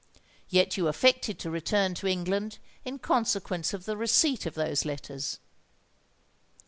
Yet you affected to return to England in consequence of the receipt of those letters."